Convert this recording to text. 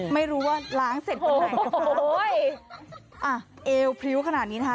ไม่รู้ว่าล้างเสร็จวันไหนโอ้ยอ่ะเอวพริ้วขนาดนี้นะคะ